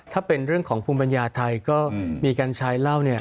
ถ้าเป็นเรื่องของภูมิปัญญาไทยก็มีการใช้เหล้าเนี่ย